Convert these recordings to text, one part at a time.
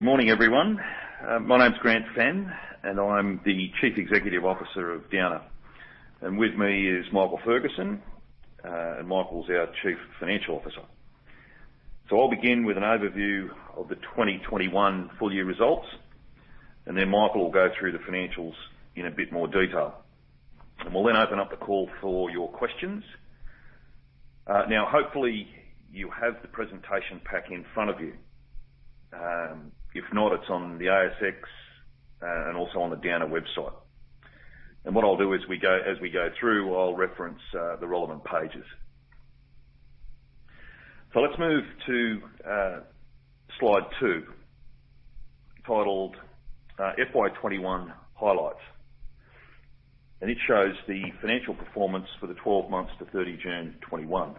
Morning, everyone. My name's Grant Fenn, and I'm the Chief Executive Officer of Downer. With me is Michael Ferguson. Michael's our Chief Financial Officer. I'll begin with an overview of the 2021 full year results, and then Michael will go through the financials in a bit more detail. We'll then open up the call for your questions. Hopefully, you have the presentation pack in front of you. If not, it's on the ASX, and also on the Downer website. What I'll do as we go through, I'll reference the relevant pages. Let's move to slide two, titled FY 2021 Highlights. It shows the financial performance for the 12 months to 30 June 2021.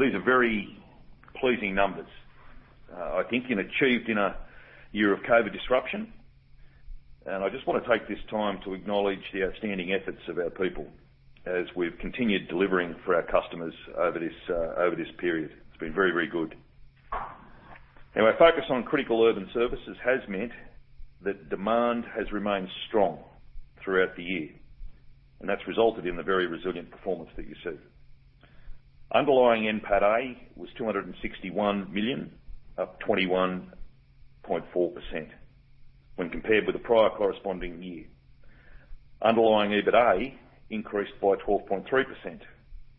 These are very pleasing numbers. I think, and achieved in a year of COVID disruption. I just want to take this time to acknowledge the outstanding efforts of our people as we've continued delivering for our customers over this period. It's been very, very good. Our focus on critical urban services has meant that demand has remained strong throughout the year, and that's resulted in the very resilient performance that you see. Underlying NPATA was 261 million, up 21.4% when compared with the prior corresponding year. Underlying EBITA increased by 12.3%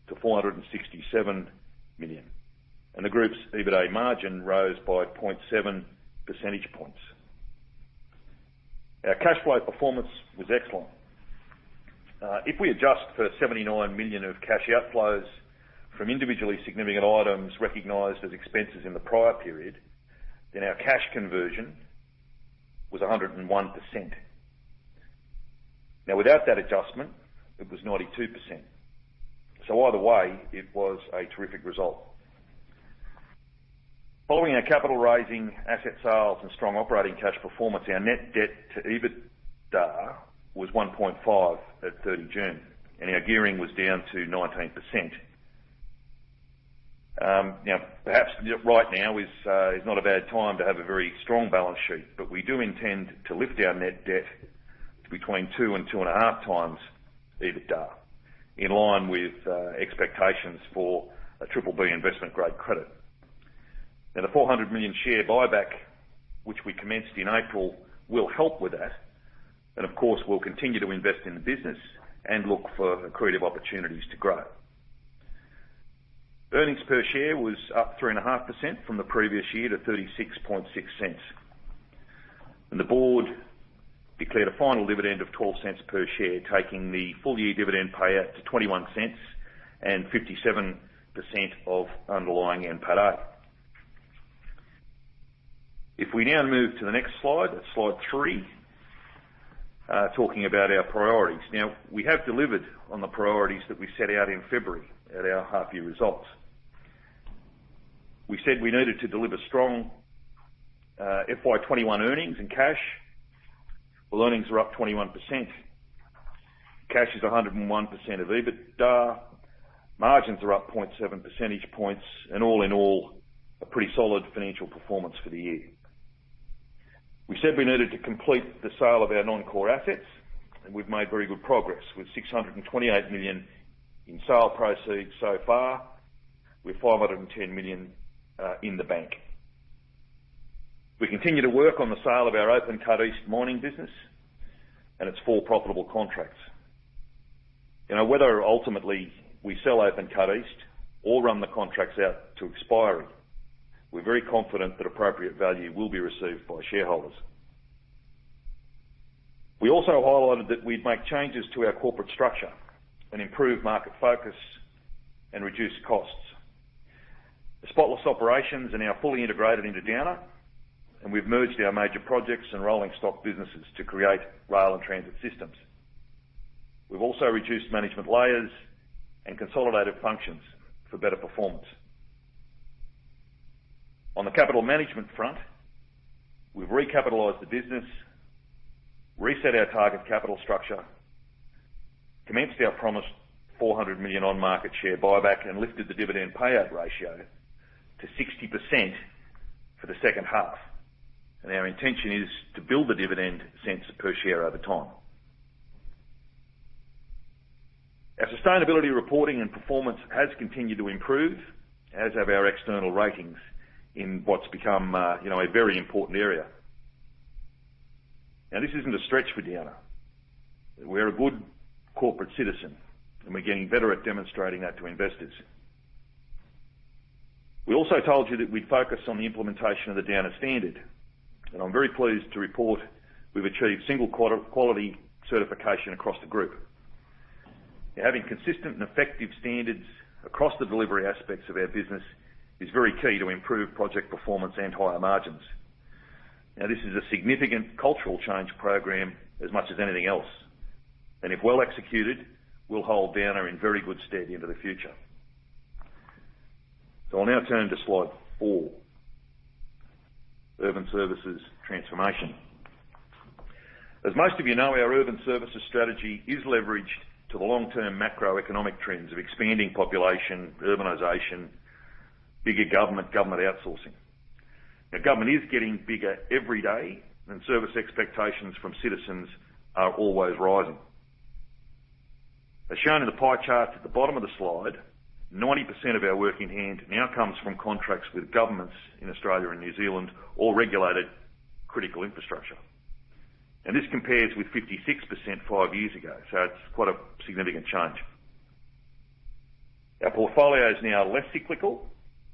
to 467 million, and the group's EBITA margin rose by 0.7 percentage points. Our cash flow performance was excellent. If we adjust for 79 million of cash outflows from individually significant items recognized as expenses in the prior period, then our cash conversion was 101%. Without that adjustment, it was 92%. Either way, it was a terrific result. Following our capital raising asset sales and strong operating cash performance, our net debt to EBITDA was 1.5x at 30 June, and our gearing was down to 19%. Perhaps right now is not a bad time to have a very strong balance sheet, but we do intend to lift our net debt to between 2x and 2.5x EBITDA, in line with expectations for a BBB investment-grade credit. The 400 million share buyback, which we commenced in April, will help with that. Of course, we'll continue to invest in the business and look for accretive opportunities to grow. Earnings per share was up 3.5% from the previous year to 36.6. The board declared a final dividend of 0.12 per share, taking the full-year dividend payout to 0.21 and 57% of underlying NPATA. If we now move to the next slide three, talking about our priorities. We have delivered on the priorities that we set out in February at our half year results. We said we needed to deliver strong FY 2021 earnings and cash. Earnings are up 21%. Cash is 101% of EBITDA. Margins are up 0.7 percentage points. All in all, a pretty solid financial performance for the year. We said we needed to complete the sale of our non-core assets. We've made very good progress with 628 million in sale proceeds so far, with 510 million in the bank. We continue to work on the sale of our Open Cut Mining East business and its four profitable contracts. Whether ultimately we sell Open Cut Mining East or run the contracts out to expiry, we're very confident that appropriate value will be received by shareholders. We also highlighted that we'd make changes to our corporate structure and improve market focus and reduce costs. The Spotless operations are now fully integrated into Downer, and we've merged our major projects and rollingstock businesses to create Rail and Transit Systems. We've also reduced management layers and consolidated functions for better performance. On the capital management front, we've recapitalized the business, reset our target capital structure, commenced our promised 400 million on-market share buyback, and lifted the dividend payout ratio to 60% for the second half. Our intention is to build the dividend cents per share over time. Our sustainability reporting and performance has continued to improve, as have our external ratings in what's become a very important area. Now, this isn't a stretch for Downer. We're a good corporate citizen, and we're getting better at demonstrating that to investors. We also told you that we'd focus on the implementation of the Downer Standard, and I'm very pleased to report we've achieved single quality certification across the group. Having consistent and effective standards across the delivery aspects of our business is very key to improved project performance and higher margins. This is a significant cultural change program as much as anything else. If well executed, will hold Downer in very good stead into the future. I'll now turn to slide four, Urban Services Transformation. As most of you know, our urban services strategy is leveraged to the long-term macroeconomic trends of expanding population, urbanization, bigger government outsourcing. Government is getting bigger every day and service expectations from citizens are always rising. As shown in the pie chart at the bottom of the slide, 90% of our work in hand now comes from contracts with governments in Australia and New Zealand or regulated critical infrastructure. This compares with 56% five years ago, so it's quite a significant change. Our portfolio is now less cyclical,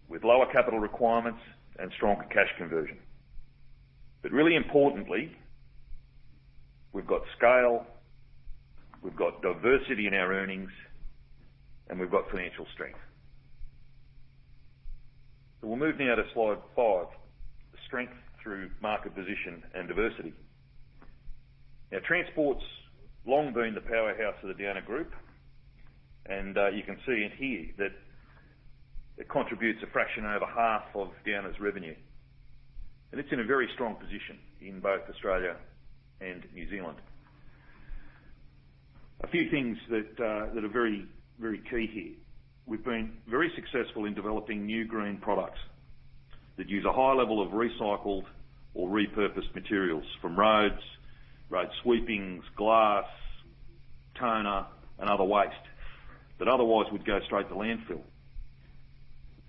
with lower capital requirements and stronger cash conversion. Really importantly, we've got scale, we've got diversity in our earnings, and we've got financial strength. We'll move now to slide five, strength through market position and diversity. Transport's long been the powerhouse of the Downer Group, and you can see and hear that it contributes a fraction over half of Downer's revenue. It's in a very strong position in both Australia and New Zealand. A few things that are very key here. We've been very successful in developing new green products that use a high level of recycled or repurposed materials from roads, road sweepings, glass, toner and other waste that otherwise would go straight to landfill.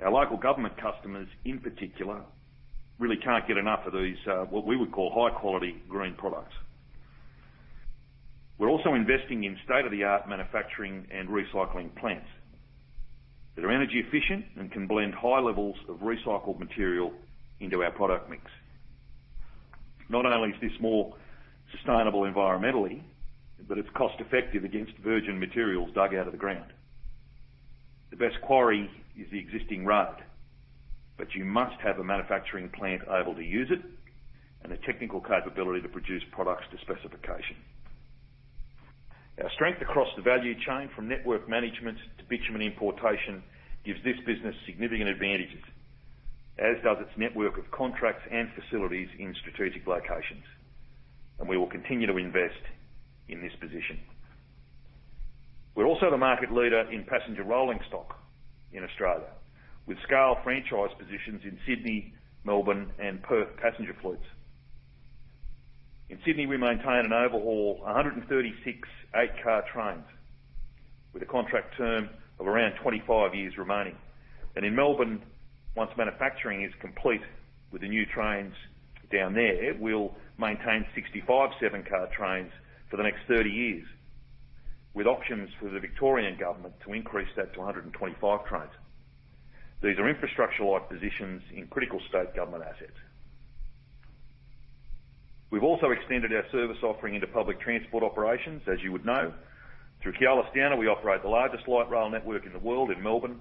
Our local government customers, in particular, really can't get enough of these, what we would call high-quality green products. We're also investing in state-of-the-art manufacturing and recycling plants that are energy efficient and can blend high levels of recycled material into our product mix. Not only is this more sustainable environmentally, but it's cost effective against virgin materials dug out of the ground. The best quarry is the existing road, but you must have a manufacturing plant able to use it and the technical capability to produce products to specification. Our strength across the value chain, from network management to bitumen importation, gives this business significant advantages, as does its network of contracts and facilities in strategic locations. We will continue to invest in this position. We're also the market leader in passenger rolling stock in Australia, with scale franchise positions in Sydney, Melbourne and Perth passenger fleets. In Sydney, we maintain and overhaul 136 eight-car trains with a contract term of around 25 years remaining. In Melbourne, once manufacturing is complete with the new trains down there, we'll maintain 65 seven-car trains for the next 30 years, with options for the Victorian Government to increase that to 125 trains. These are infrastructure-like positions in critical state government assets. We've also extended our service offering into public transport operations, as you would know. Through Keolis Downer, we operate the largest light rail network in the world in Melbourne,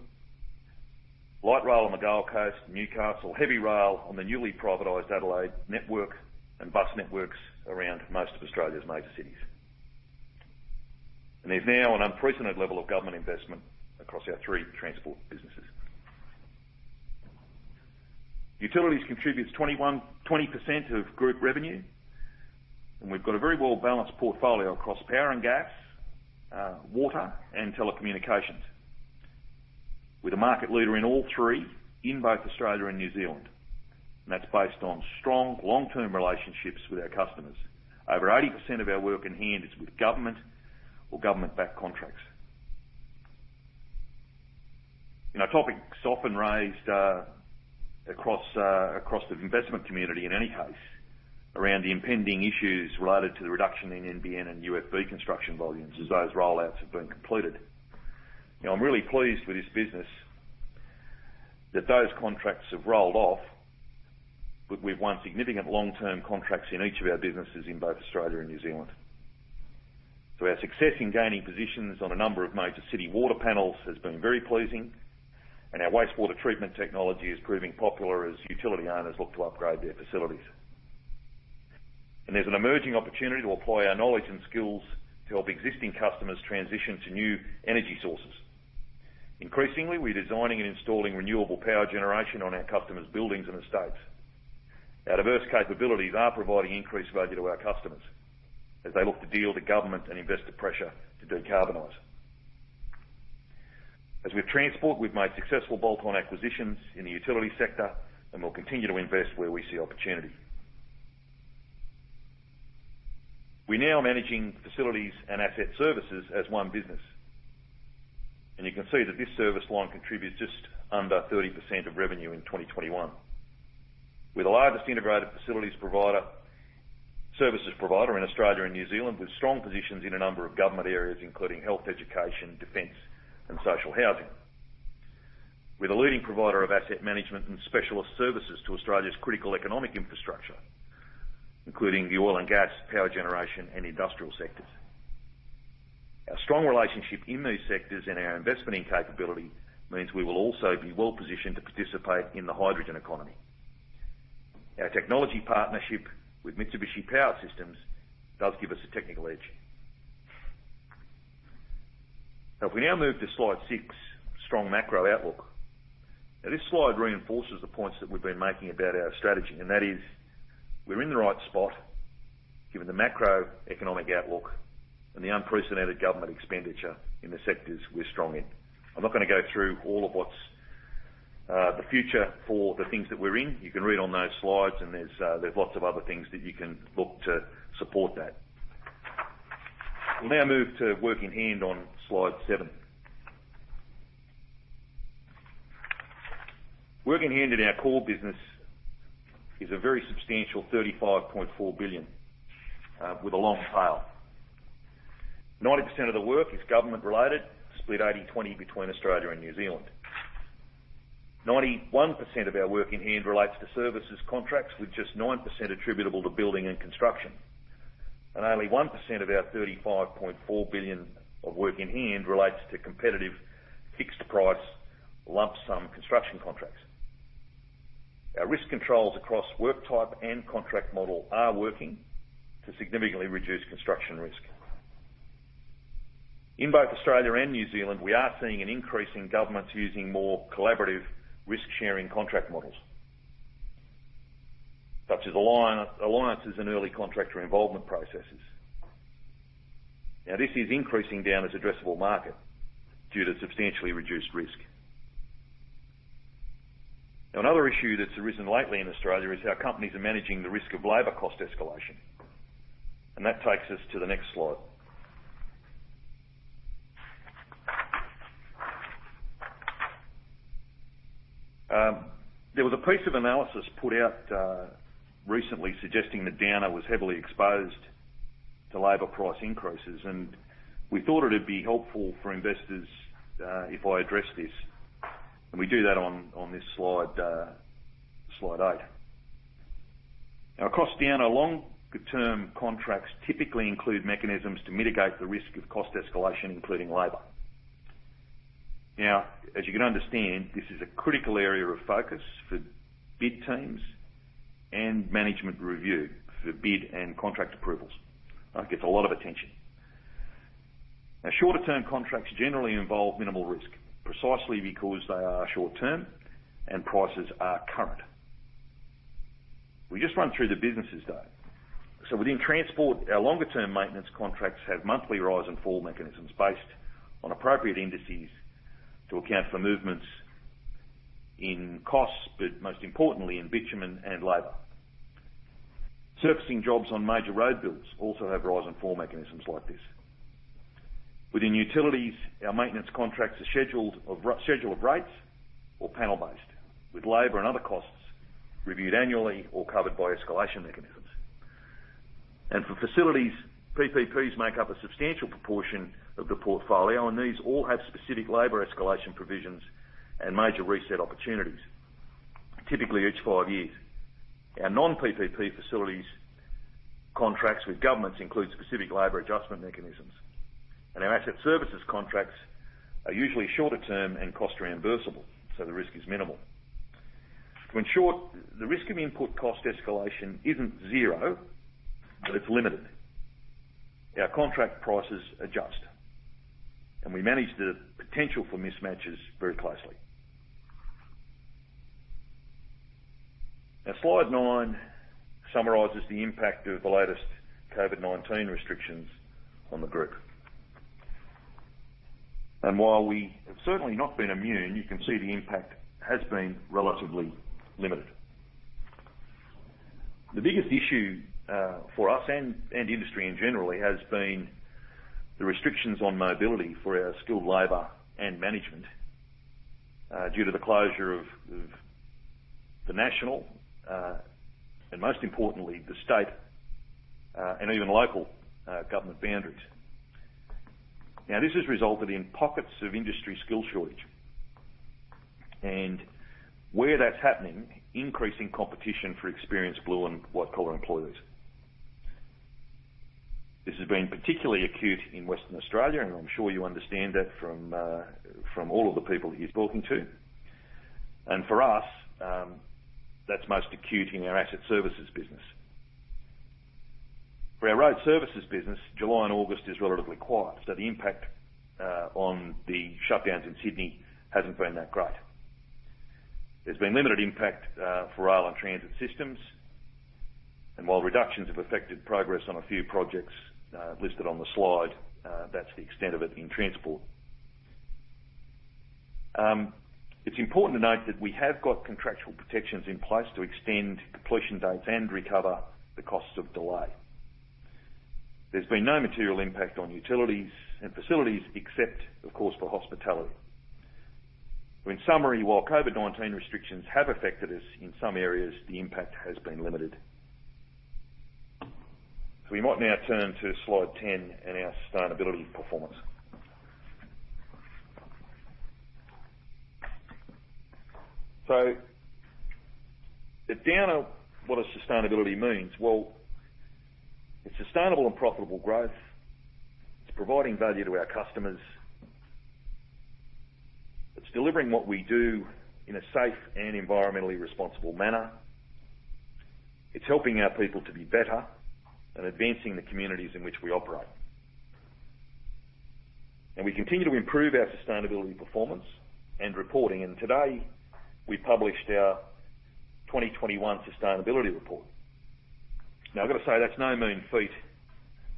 light rail on the Gold Coast, Newcastle, heavy rail on the newly privatized Adelaide network and bus networks around most of Australia's major cities. There's now an unprecedented level of government investment across our three transport businesses. Utilities contributes 20% of group revenue, and we've got a very well-balanced portfolio across power and gas, water and telecommunications. We're the market leader in all three in both Australia and New Zealand, and that's based on strong long-term relationships with our customers. Over 80% of our work in hand is with government or government-backed contracts. Now topics often raised across the investment community in any case around the impending issues related to the reduction in NBN and UFB construction volumes as those roll-outs have been completed. I'm really pleased for this business that those contracts have rolled off with one significant long-term contracts in each of our businesses in both Australia and New Zealand. Our success in gaining positions on a number of major city water panels has been very pleasing and our wastewater treatment technology is proving popular as utility owners look to upgrade their facilities. There's an emerging opportunity to apply our knowledge and skills to help existing customers transition to new energy sources. Increasingly, we're designing and installing renewable power generation on our customers' buildings and estates. Our diverse capabilities are providing increased value to our customers as they look to deal the government and investor pressure to decarbonize. As with transport, we've made successful bolt-on acquisitions in the utility sector and we'll continue to invest where we see opportunity. We're now managing facilities and asset services as one business. You can see that this service line contributes just under 30% of revenue in 2021. We're the largest integrated facilities provider, services provider in Australia and New Zealand with strong positions in a number of government areas including health, education, defense and social housing. We're the leading provider of asset management and specialist services to Australia's critical economic infrastructure, including the oil and gas, power generation and industrial sectors. Our strong relationship in these sectors and our investment in capability means we will also be well positioned to participate in the hydrogen economy. Our technology partnership with Mitsubishi Power Systems does give us a technical edge. If we now move to slide six, strong macro outlook. Now this slide reinforces the points that we've been making about our strategy, and that is we're in the right spot given the macroeconomic outlook and the unprecedented government expenditure in the sectors we're strong in. I'm not going to go through all of what's the future for the things that we're in. You can read on those slides and there's lots of other things that you can look to support that. We'll now move to work in hand on slide seven. Work in hand in our core business is a very substantial 35.4 billion, with a long tail. 90% of the work is government related, split 80/20 between Australia and New Zealand. 91% of our work in hand relates to services contracts, with just 9% attributable to building and construction. Only 1% of our 35.4 billion of work in hand relates to competitive fixed price lump sum construction contracts. Our risk controls across work type and contract model are working to significantly reduce construction risk. In both Australia and New Zealand, we are seeing an increase in governments using more collaborative risk sharing contract models, such as alliances and early contractor involvement processes. This is increasing Downer's addressable market due to substantially reduced risk. Another issue that's arisen lately in Australia is how companies are managing the risk of labor cost escalation. That takes us to the next slide. There was a piece of analysis put out recently suggesting that Downer was heavily exposed to labor price increases, and we thought it'd be helpful for investors if I address this, and we do that on this slide eight. Across Downer, long-term contracts typically include mechanisms to mitigate the risk of cost escalation, including labor. As you can understand, this is a critical area of focus for bid teams and management review for bid and contract approvals. That gets a lot of attention. Shorter-term contracts generally involve minimal risk, precisely because they are short-term and prices are current. We just run through the businesses, though. Within transport, our longer-term maintenance contracts have monthly rise and fall mechanisms based on appropriate indices to account for movements in costs, but most importantly in bitumen and labor. Surfacing jobs on major road builds also have rise and fall mechanisms like this. Within utilities, our maintenance contracts are schedule of rates or panel-based, with labor and other costs reviewed annually or covered by escalation mechanisms. For facilities, PPPs make up a substantial proportion of the portfolio, and these all have specific labor escalation provisions and major reset opportunities, typically each five years. Our non-PPP facilities contracts with governments include specific labor adjustment mechanisms. Our asset services contracts are usually shorter term and cost reimbursable, so the risk is minimal. In short, the risk of input cost escalation isn't zero, but it's limited. Our contract prices adjust, and we manage the potential for mismatches very closely. Slide nine summarizes the impact of the latest COVID-19 restrictions on the group. While we have certainly not been immune, you can see the impact has been relatively limited. The biggest issue for us and the industry in general really has been the restrictions on mobility for our skilled labor and management due to the closure of the national, and most importantly, the state, and even local government boundaries. This has resulted in pockets of industry skill shortage, and where that's happening, increasing competition for experienced blue and white collar employees. This has been particularly acute in Western Australia, and I'm sure you understand that from all of the people that you're talking to. For us, that's most acute in our asset services business. For our road services business, July and August is relatively quiet, so the impact on the shutdowns in Sydney hasn't been that great. There's been limited impact for Rail and Transit Systems. While reductions have affected progress on a few projects listed on the slide, that's the extent of it in transport. It's important to note that we have got contractual protections in place to extend completion dates and recover the costs of delay. There's been no material impact on utilities and facilities except, of course, for hospitality. In summary, while COVID-19 restrictions have affected us in some areas, the impact has been limited. We might now turn to Slide 10 and our sustainability performance. At Downer, what does sustainability means? Well, it's sustainable and profitable growth, it's providing value to our customers. It's delivering what we do in a safe and environmentally responsible manner. It's helping our people to be better and advancing the communities in which we operate. We continue to improve our sustainability performance and reporting. Today, we published our 2021 sustainability report. I've got to say, that's no mean feat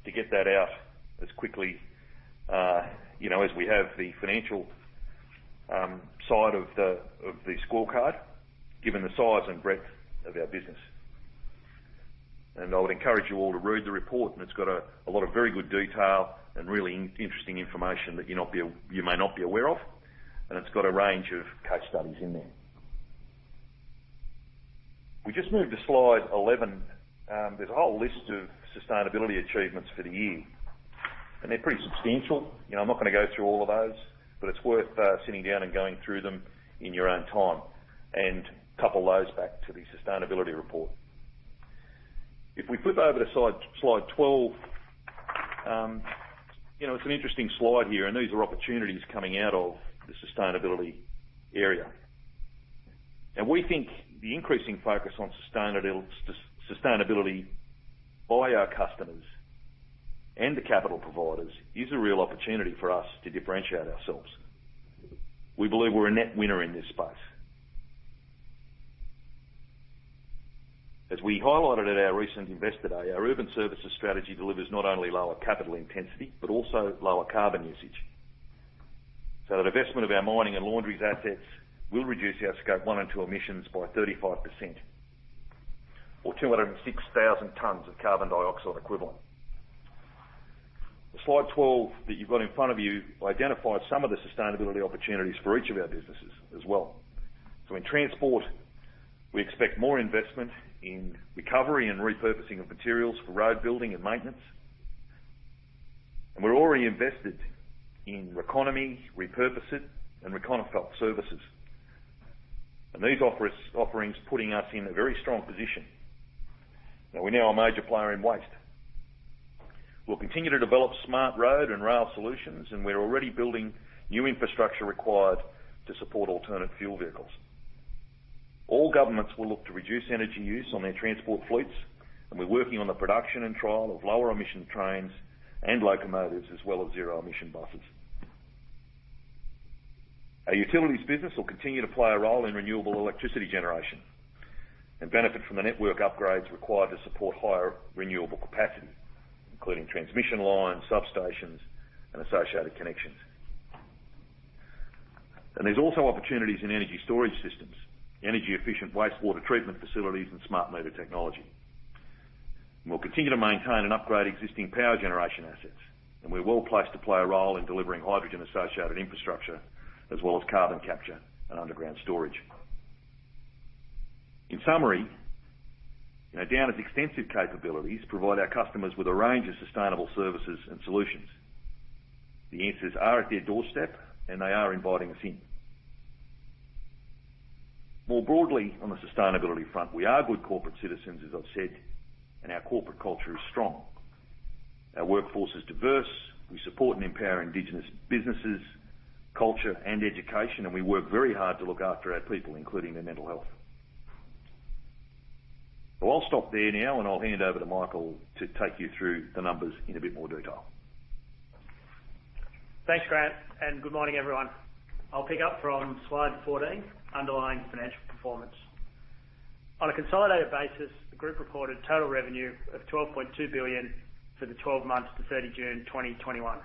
to get that out as quickly as we have the financial side of the scorecard, given the size and breadth of our business. I would encourage you all to read the report, and it's got a lot of very good detail and really interesting information that you may not be aware of, and it's got a range of case studies in there. If we just move to slide 11, there's a whole list of sustainability achievements for the year. They're pretty substantial. I'm not going to go through all of those, but it's worth sitting down and going through them in your own time and couple those back to the sustainability report. If we flip over to slide 12, it's an interesting slide here, and these are opportunities coming out of the sustainability area. We think the increasing focus on sustainability by our customers and the capital providers is a real opportunity for us to differentiate ourselves. We believe we're a net winner in this space. As we highlighted at our recent Investor Day, our urban services strategy delivers not only lower capital intensity, but also lower carbon usage. The divestment of our mining and laundries assets will reduce our Scope 1 and 2 emissions by 35% or 206,000 tonnes of carbon dioxide equivalent. The Slide 12 that you've got in front of you identifies some of the sustainability opportunities for each of our businesses as well. In transport, we expect more investment in recovery and repurposing of materials for road building and maintenance. We're already invested in Reconomy, Repurpose It, and Reconophalt services. These offerings putting us in a very strong position. We're now a major player in waste. We'll continue to develop smart road and rail solutions, and we're already building new infrastructure required to support alternate fuel vehicles. All governments will look to reduce energy use on their transport fleets, and we're working on the production and trial of lower emission trains and locomotives, as well as zero emission buses. Our utilities business will continue to play a role in renewable electricity generation and benefit from the network upgrades required to support higher renewable capacity, including transmission lines, substations, and associated connections. There's also opportunities in energy storage systems, energy efficient wastewater treatment facilities, and smart meter technology. We'll continue to maintain and upgrade existing power generation assets, and we're well-placed to play a role in delivering hydrogen-associated infrastructure, as well as carbon capture and underground storage. In summary, Downer's extensive capabilities provide our customers with a range of sustainable services and solutions. The answers are at their doorstep, and they are inviting us in. More broadly on the sustainability front, we are good corporate citizens, as I've said, and our corporate culture is strong. Our workforce is diverse. We support and empower indigenous businesses, culture, and education, and we work very hard to look after our people, including their mental health. I'll stop there now, and I'll hand over to Michael to take you through the numbers in a bit more detail. Thanks, Grant, and good morning, everyone. I'll pick up from slide 14, underlying financial performance. On a consolidated basis, the group reported total revenue of 12.2 billion for the 12 months to 30 June 2021.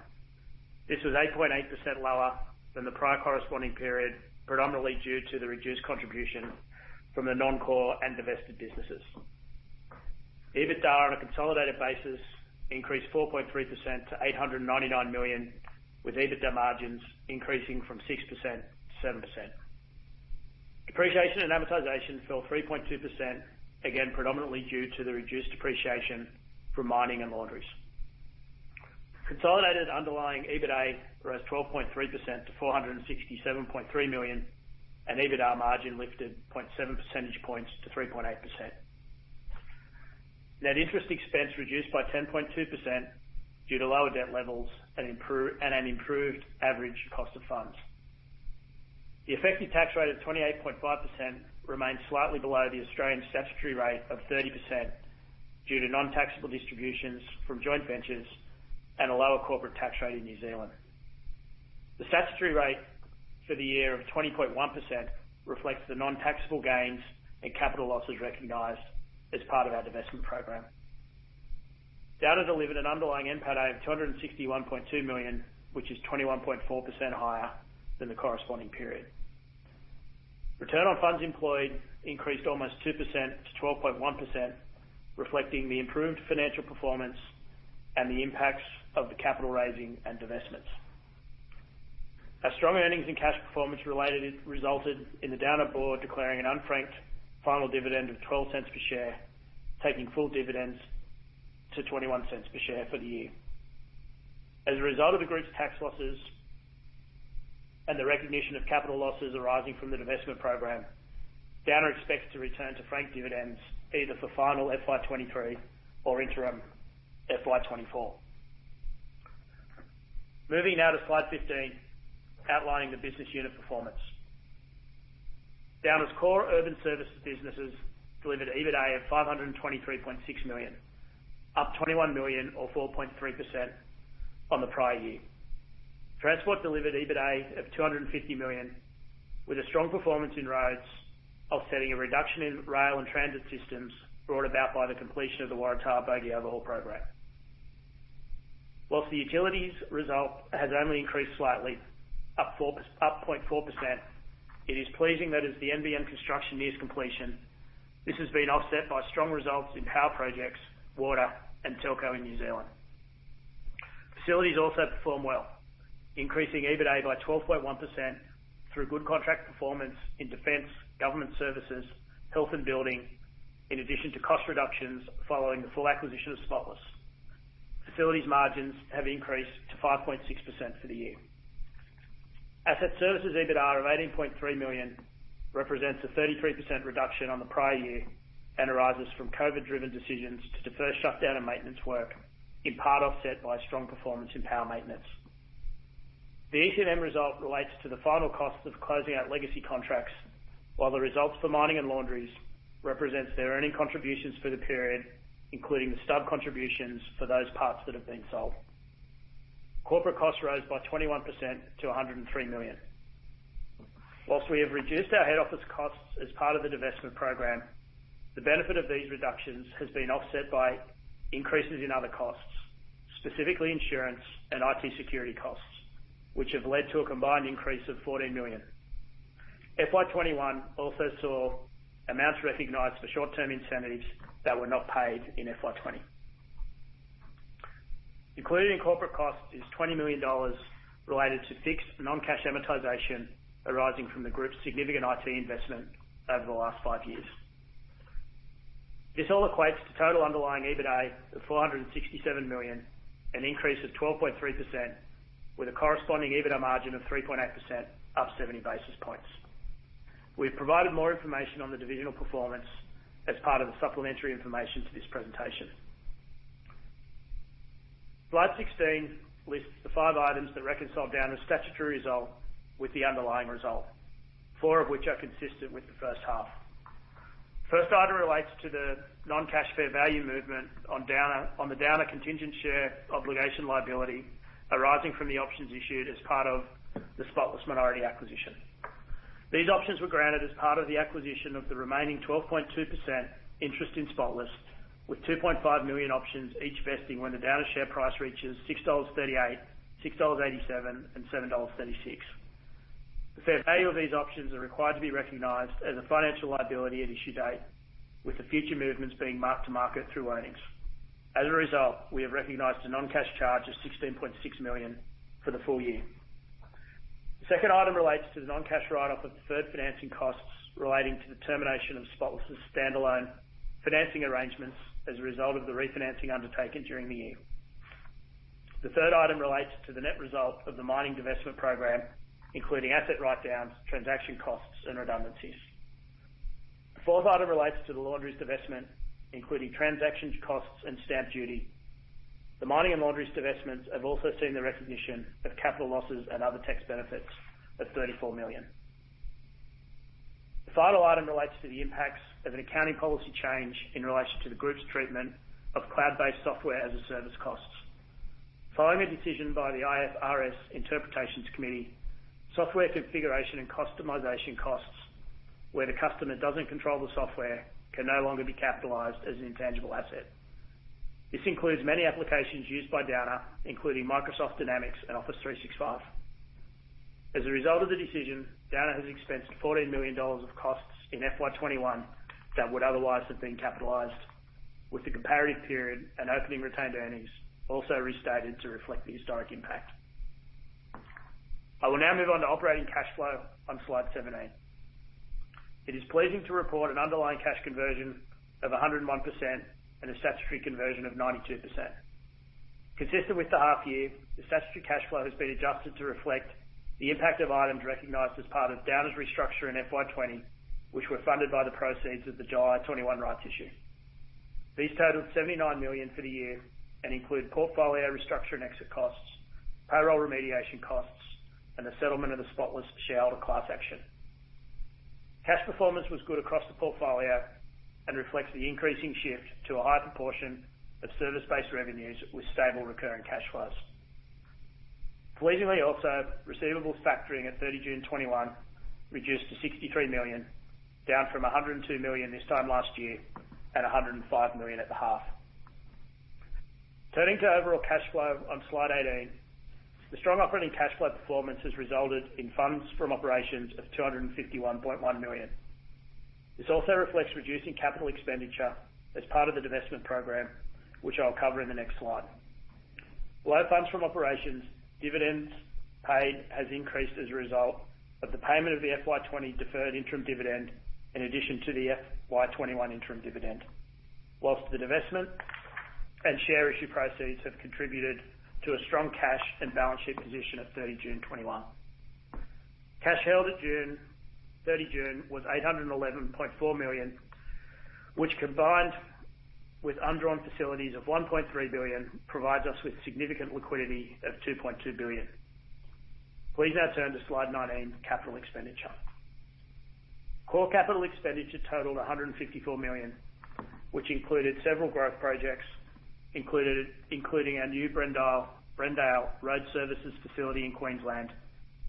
This was 8.8% lower than the prior corresponding period, predominantly due to the reduced contribution from the non-core and divested businesses. EBITDA on a consolidated basis increased 4.3% to 899 million, with EBITDA margins increasing from 6%-7%. Depreciation and amortization fell 3.2%, again predominantly due to the reduced depreciation for mining and laundries. Consolidated underlying EBITA rose 12.3% to 467.3 million, and EBITDA margin lifted 0.7 percentage points to 3.8%. Net interest expense reduced by 10.2% due to lower debt levels and an improved average cost of funds. The effective tax rate of 28.5% remains slightly below the Australian statutory rate of 30% due to non-taxable distributions from joint ventures and a lower corporate tax rate in New Zealand. The statutory rate for the year of 20.1% reflects the non-taxable gains and capital losses recognized as part of our divestment program. Downer delivered an underlying NPATA of 261.2 million, which is 21.4% higher than the corresponding period. Return on funds employed increased almost 2%-12.1%, reflecting the improved financial performance and the impacts of the capital raising and divestments. Our strong earnings and cash performance resulted in the Downer board declaring an unfranked final dividend of 0.12 per share, taking full dividends to 0.21 per share for the year. As a result of the group's tax losses and the recognition of capital losses arising from the divestment program, Downer expects to return to franked dividends either for final FY 2023 or interim FY 2024. Moving now to slide 15, outlining the business unit performance. Downer's core urban services businesses delivered EBITA of 523.6 million, up 21 million or 4.3% on the prior year. Transport delivered EBITA of 250 million, with a strong performance in roads offsetting a reduction in Rail and Transit Systems brought about by the completion of the Waratah bogie overhaul program. The utilities result has only increased slightly, up 0.4%, it is pleasing that as the NBN construction nears completion, this has been offset by strong results in power projects, water, and telco in New Zealand. Facilities also performed well, increasing EBITA by 12.1% through good contract performance in defense, government services, health and building, in addition to cost reductions following the full acquisition of Spotless. Facilities margins have increased to 5.6% for the year. Asset services EBITA of 18.3 million represents a 33% reduction on the prior year and arises from COVID driven decisions to defer shutdown and maintenance work, in part offset by strong performance in power maintenance. The EC&M result relates to the final cost of closing out legacy contracts, while the results for mining and laundries represents their earning contributions for the period, including the stub contributions for those parts that have been sold. Corporate costs rose by 21% to 103 million. Whilst we have reduced our head office costs as part of the divestment program, the benefit of these reductions has been offset by increases in other costs, specifically insurance and IT security costs, which have led to a combined increase of 14 million. FY 2021 also saw amounts recognized for short-term incentives that were not paid in FY 2020. Included in corporate cost is 20 million dollars related to fixed non-cash amortization arising from the group's significant IT investment over the last five years. This all equates to total underlying EBITA of 467 million, an increase of 12.3% with a corresponding EBITA margin of 3.8%, up 70 basis points. We've provided more information on the divisional performance as part of the supplementary information to this presentation. Slide 16 lists the five items that reconcile Downer's statutory result with the underlying result, four of which are consistent with the first half. First item relates to the non-cash fair value movement on the Downer contingent share obligation liability arising from the options issued as part of the Spotless minority acquisition. These options were granted as part of the acquisition of the remaining 12.2% interest in Spotless, with 2.5 million options each vesting when the Downer share price reaches 6.38 dollars, 6.87 dollars, and 7.36 dollars. The fair value of these options are required to be recognized as a financial liability at issue date, with the future movements being marked to market through earnings. As a result, we have recognized a non-cash charge of 16.6 million for the full year. The second item relates to the non-cash write-off of deferred financing costs relating to the termination of Spotless' standalone financing arrangements as a result of the refinancing undertaken during the year. The third item relates to the net result of the mining divestment program, including asset write-downs, transaction costs, and redundancies. The fourth item relates to the laundries divestment, including transactions costs and stamp duty. The mining and laundries divestments have also seen the recognition of capital losses and other tax benefits of 34 million. The final item relates to the impacts of an accounting policy change in relation to the group's treatment of cloud-based software as a service cost. Following a decision by the IFRS Interpretations Committee, software configuration and customization costs where the customer doesn't control the software can no longer be capitalized as an intangible asset. This includes many applications used by Downer, including Microsoft Dynamics and Microsoft 365. As a result of the decision, Downer has expensed 14 million dollars of costs in FY 2021 that would otherwise have been capitalized, with the comparative period and opening retained earnings also restated to reflect the historic impact. I will now move on to operating cash flow on slide 17. It is pleasing to report an underlying cash conversion of 101% and a statutory conversion of 92%. Consistent with the half year, the statutory cash flow has been adjusted to reflect the impact of items recognized as part of Downer's restructure in FY 2020, which were funded by the proceeds of the July 2021 rights issue. These totaled 79 million for the year and include portfolio restructure and exit costs, payroll remediation costs, and the settlement of the Spotless shareholder class action. Cash performance was good across the portfolio and reflects the increasing shift to a high proportion of service-based revenues with stable recurring cash flows. Pleasingly also, receivables factoring at 30 June 2021 reduced to 63 million, down from 102 million this time last year and 105 million at the half. Turning to overall cash flow on slide 18. The strong operating cash flow performance has resulted in funds from operations of 251.1 million. This also reflects reducing capital expenditure as part of the divestment program, which I'll cover in the next slide. Lower funds from operations, dividends paid has increased as a result of the payment of the FY 2020 deferred interim dividend in addition to the FY 2021 interim dividend. The divestment and share issue proceeds have contributed to a strong cash and balance sheet position at 30 June 2021. Cash held at 30 June was 811.4 million, which combined with undrawn facilities of 1.3 billion, provides us with significant liquidity of 2.2 billion. Please now turn to slide 19, capital expenditure. Core capital expenditure totaled 154 million, which included several growth projects, including our new Brendale Road Services facility in Queensland,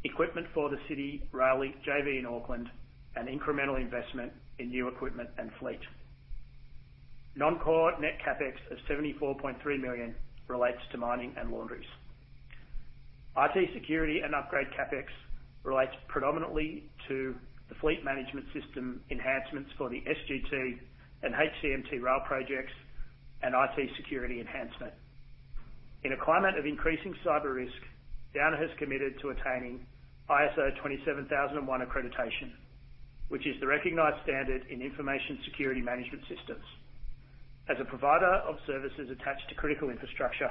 equipment for the City Rail Link JV in Auckland, and incremental investment in new equipment and fleet. Non-core net CapEx of 74.3 million relates to mining and laundries. IT security and upgrade CapEx relates predominantly to the fleet management system enhancements for the SGT and HCMT rail projects and IT security enhancement. In a climate of increasing cyber risk, Downer has committed to attaining ISO 27001 accreditation, which is the recognized standard in information security management systems. As a provider of services attached to critical infrastructure,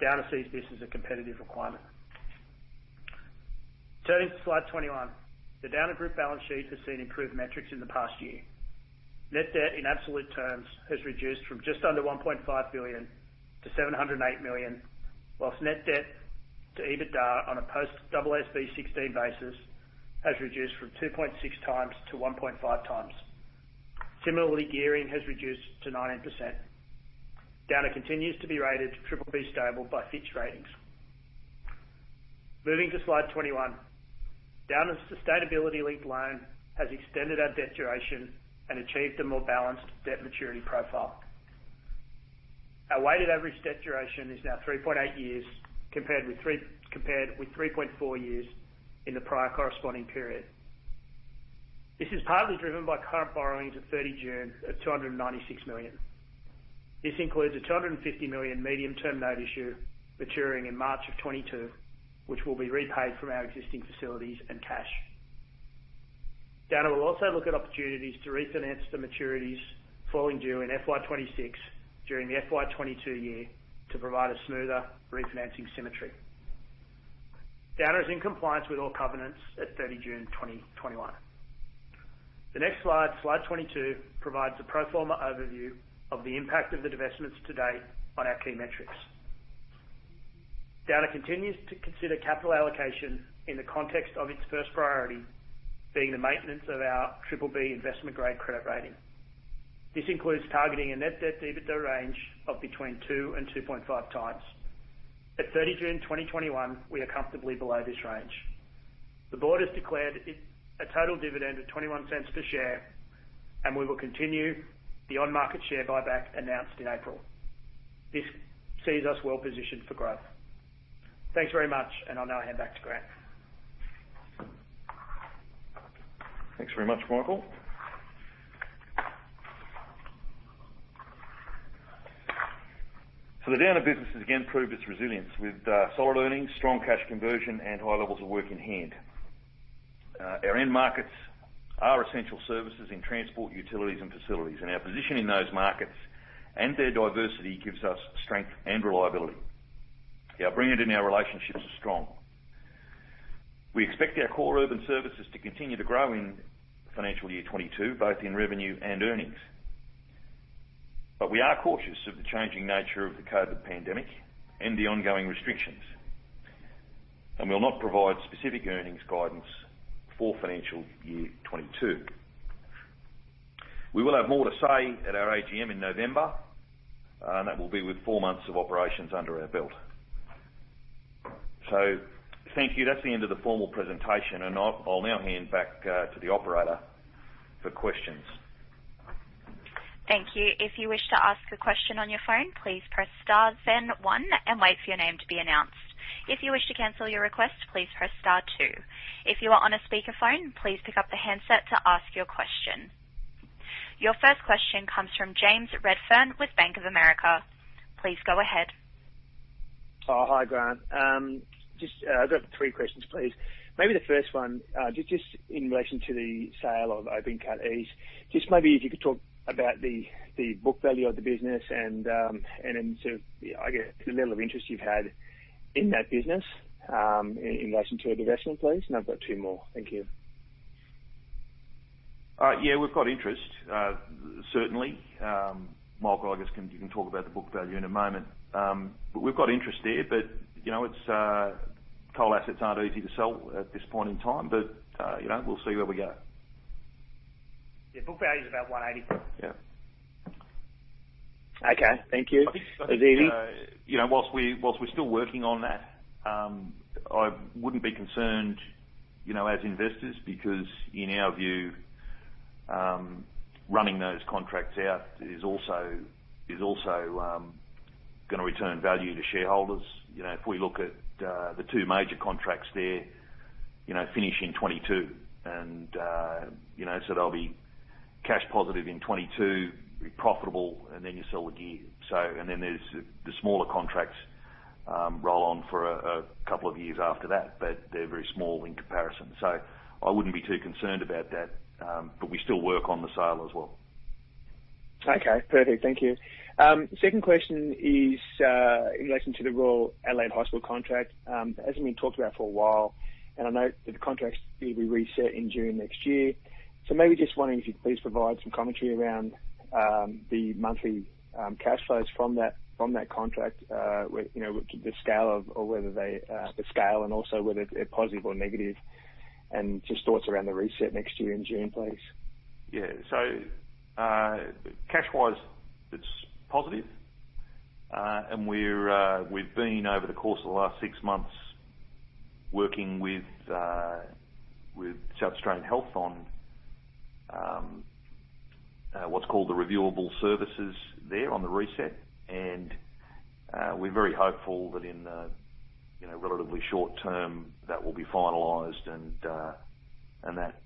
Downer sees this as a competitive requirement. Turning to slide 21, the Downer Group balance sheet has seen improved metrics in the past year. Net debt in absolute terms has reduced from just under 1.5 billion to 708 million, while net debt to EBITDA on a post AASB 16 basis has reduced from 2.6x to 1.5x. Similarly, gearing has reduced to 19%. Downer continues to be rated BBB stable by Fitch Ratings. Moving to slide 21. Downer's sustainability linked loan has extended our debt duration and achieved a more balanced debt maturity profile. Our weighted average debt duration is now 3.8 years compared with 3.4 years in the prior corresponding period. This is partly driven by current borrowings at 30 June of 296 million. This includes a 250 million medium-term note issue maturing in March of 2022, which will be repaid from our existing facilities and cash. Downer will also look at opportunities to refinance the maturities falling due in FY 2026 during the FY 2022 year to provide a smoother refinancing symmetry. Downer is in compliance with all covenants at 30 June 2021. The next slide 22, provides a pro forma overview of the impact of the divestments to-date on our key metrics. Downer continues to consider capital allocation in the context of its first priority, being the maintenance of our BBB investment-grade credit rating. This includes targeting a net debt to EBITDA range of between 2x and 2.5x. At 30 June 2021, we are comfortably below this range. The board has declared a total dividend of 0.21 per share. We will continue the on-market share buyback announced in April. This sees us well positioned for growth. Thanks very much. I'll now hand back to Grant. Thanks very much, Michael. The Downer business has again proved its resilience with solid earnings, strong cash conversion, and high levels of work in hand. Our end markets are essential services in transport, utilities, and facilities. Our position in those markets and their diversity gives us strength and reliability. Our brand and our relationships are strong. We expect our core urban services to continue to grow in financial year 2022, both in revenue and earnings. We are cautious of the changing nature of the COVID pandemic and the ongoing restrictions, and we will not provide specific earnings guidance for financial year 2022. We will have more to say at our AGM in November, and that will be with four months of operations under our belt. Thank you. That's the end of the formal presentation, and I'll now hand back to the operator for questions. Thank you. If you wish to ask a question on your phone, please press star then one and wait for your name to be announced. If you wish to cancel your request, please press star two. If you are on a speakerphone, please pick up the handset to ask your question. Your first question comes from James Redfern with Bank of America. Please go ahead. Oh, hi, Grant. I've got three questions, please. Maybe the first one, just in relation to the sale of Open Cut East. Just maybe if you could talk about the book value of the business and then sort of the level of interest you've had in that business in relation to a divestment, please. I've got two more. Thank you. We've got interest, certainly. Michael, I guess, can talk about the book value in a moment. We've got interest there, but coal assets aren't easy to sell at this point in time, but we'll see where we go. Yeah. Book value is about 180. Yeah. Okay. Thank you. That was easy. Whilst we're still working on that, I wouldn't be concerned as investors, because in our view, running those contracts out is also going to return value to shareholders. If we look at the two major contracts there finish in 2022. They'll be cash positive in 2022, be profitable, and then you sell the gear. There's the smaller contracts roll on for a couple of years after that, but they're very small in comparison. I wouldn't be too concerned about that, but we still work on the sale as well. Okay, perfect. Thank you. Second question is in relation to the Royal Adelaide Hospital contract. It hasn't been talked about for a while. I note that the contract's going to be reset in June next year. Maybe just wondering if you'd please provide some commentary around the monthly cash flows from that contract, the scale and also whether they're positive or negative, and just thoughts around the reset next year in June, please. Cash-wise, it's positive. We've been, over the course of the last six months, working with South Australian Health on what's called the reviewable services there on the reset. We're very hopeful that in the relatively short term, that will be finalized and that